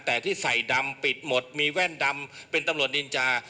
แต่ที่ใส่ดำปิดหมดมีแว่นดำเป็นตำรวจนินจา